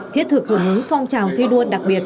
thiết thực hướng hướng phong trào thi đua đặc biệt